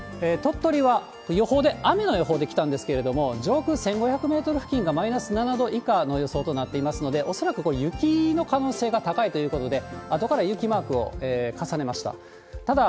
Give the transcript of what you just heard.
鳥取は予報で、雨の予報できたんですけれども、上空１５００メートル付近がマイナス７度以下の予想となっていますので、恐らくこれ、雪の可能性が高いということで、あとから雪マークを重ねました。